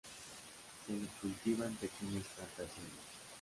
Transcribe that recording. Se le cultiva en pequeñas plantaciones.